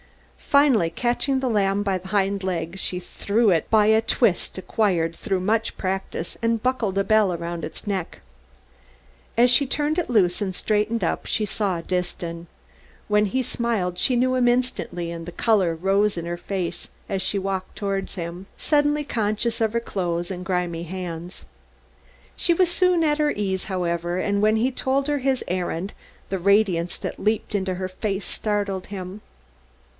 Finally, catching the lamb by the hind leg she threw it by a twist acquired through much practice and buckled a bell around its neck. As she turned it loose and straightened up, she saw Disston. When he smiled she knew him instantly and the color rose in her face as she walked towards him, suddenly conscious of her clothes and grimy hands. She was soon at her ease, however, and when he told her his errand the radiance that leaped into her face startled him.